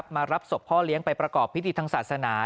มารับศพพ่อเลี้ยงไปประกอบพิธีทางศาสนา